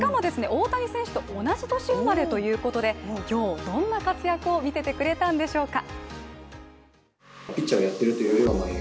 大谷選手と同じ年生まれ。ということでどんな活躍を見せてくれたんでしょうか？